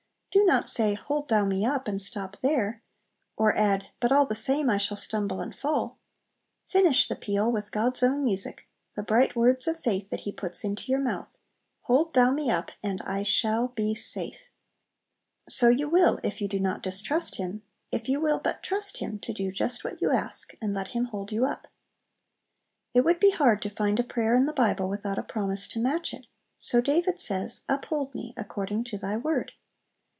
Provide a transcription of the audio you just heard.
Do not say, "Hold Thou me up," and stop there, or add, "But, all the same, I shall stumble and fall!" Finish the peal with God's own music, the bright words of faith that He puts into your mouth, "Hold Thou me up, and I shall be safe!" So you will if you do not distrust Him, if you will but trust Him to do just what you ask, and let Him hold you up. It would be hard to find a prayer in the Bible without a promise to match it; so David says, "Uphold me, according to Thy word."